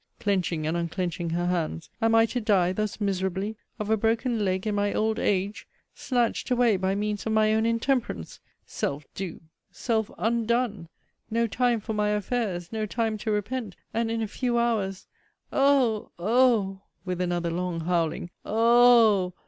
[clenching and unclenching her hands] am I to die thus miserably! of a broken leg in my old age! snatched away by means of my own intemperance! Self do! Self undone! No time for my affairs! No time to repent! And in a few hours (Oh! Oh! with another long howling O h!